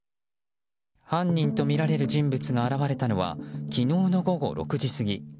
犯人とみられる人物が現れたのは、昨日の午後６時過ぎ。